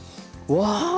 わあ！